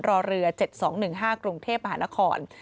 รอเรือ๗๒๑๕กรุงเทพฯอาหารขอน